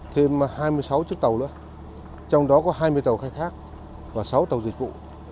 thêm hai mươi sáu chiếc tàu nữa trong đó có hai mươi tàu khai thác và sáu tàu dịch vụ